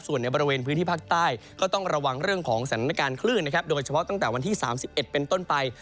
ส่วนในบริเวณพื้นที่ภาคใต้ก็ต้องระวังเรื่องของสถานการณ์คลื่นนะครับโดยเฉพาะตั้งแต่วันที่๓๑เป็นต้นไป